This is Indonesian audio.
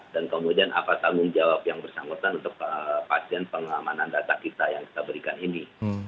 dan kemudian apa tanggung jawab yang bersangkutan untuk pasien pengamanan data kita yang kita berikan ini